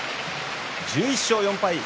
１１勝４敗。